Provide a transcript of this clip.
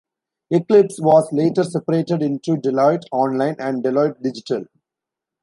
Eclipse was later separated into Deloitte Online and Deloitte Digital.